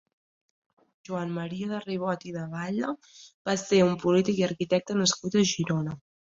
Joan Maria de Ribot i de Balle va ser un polític i arquitecte nascut a Girona.